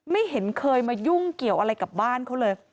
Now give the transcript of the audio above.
ไม่เห็นเคยมายุ่งเกี่ยวอะไรกับบ้านเขาเลย